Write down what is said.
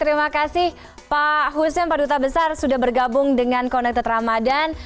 terima kasih pak hussein pak duta besar sudah bergabung dengan connected ramadan